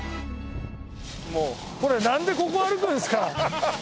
これなんでここを歩くんですか！